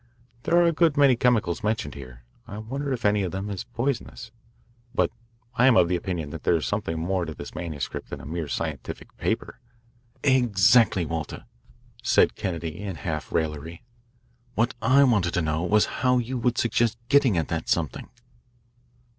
"There are a good many chemicals mentioned here I wonder if any of them is poisonous? But I am of the opinion that there is something more to this manuscript than a mere scientific paper." "Exactly, Walter," said Kennedy in half raillery. "What I wanted to know was how you would suggest getting at that something."